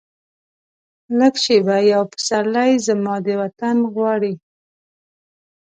لږه شیبه یو پسرلی، زما د وطن غواړي